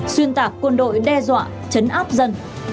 xuyên tạc quân đội đe dọa chấn áp dân